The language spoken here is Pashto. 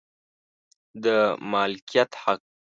د مالکیت حق